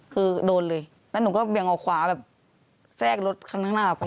คือโดนเลยแล้วหนูก็เบี่ยงออกขวาแบบแทรกรถข้างหน้าออกไป